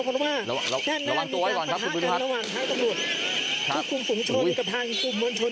เพราะว่าด้านหน้ามีการปะทะกันระหว่างทางตำรวจ